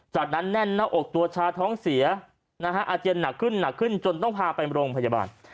จากนั้นแน่นแล้วอกตัวชาท้องเสียอาเจนหนักขึ้นจนต้องพาไปโรงพยาบาล